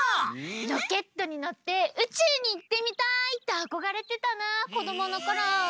ロケットにのってうちゅうにいってみたいってあこがれてたなこどものころ。